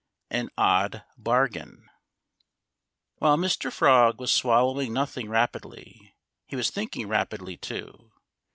IV An Odd Bargain While Mr. Frog was swallowing nothing rapidly, he was thinking rapidly, too.